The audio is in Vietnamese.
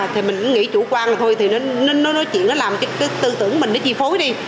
thì mình nghĩ chủ quan là thôi thì nó nói chuyện nó làm tư tưởng mình nó chi phối đi